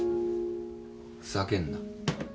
ふざけんな。